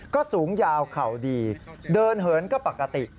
ก็สูงยาวเข่าดีเดินเหินก็ปกติ